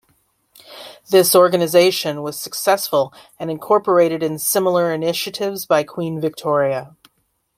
This organisation was successful and incorporated in similar initiatives by Queen Victoria.